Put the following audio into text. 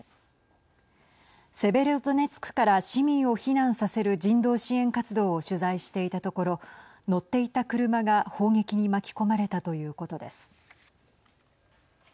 セベロドネツクから市民を避難させる人道支援活動を取材していたところ乗っていた車が、砲撃に巻き込まれたということです。